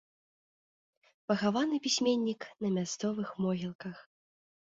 Пахаваны пісьменнік на мясцовых могілках.